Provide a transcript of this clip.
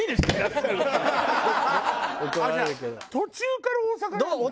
じゃあ途中から大阪なんだ。